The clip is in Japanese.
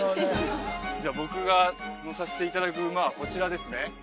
じゃあ僕が乗させていただく馬はこちらですね